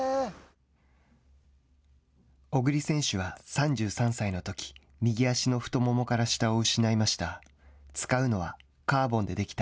小栗選手は３３歳のとき右足の太ももから下を失いました。